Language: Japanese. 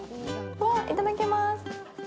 いただきまーす。